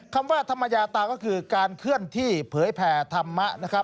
คำว่าธรรมยาตาก็คือการเคลื่อนที่เผยแผ่ธรรมะนะครับ